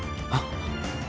あっ。